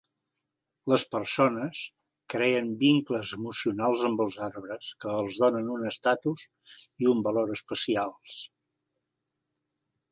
Les persones creen vincles emocionals amb els arbres, que els donen un estatus i un valor especials.